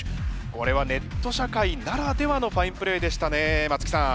これはネット社会ならではのファインプレーでしたね松木さん。